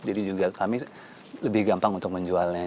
jadi juga kami lebih gampang untuk menjualnya